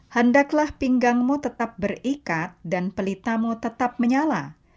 handaklah pinggangmu tetap berikat dan pelitamu tetap menyala